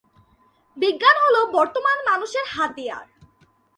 বিজ্ঞান হল বর্তমান মানুষের হাতিয়ার।